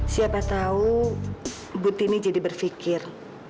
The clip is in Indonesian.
siapa tahu ibu tini jadi berpikir